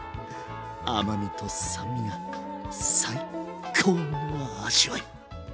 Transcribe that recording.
甘みと酸味が最高の味わい